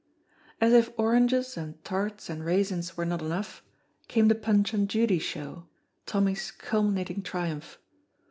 As if oranges and tarts and raisins were not enough, came the Punch and Judy show, Tommy's culminating triumph.